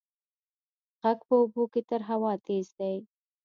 غږ په اوبو کې تر هوا تېز دی.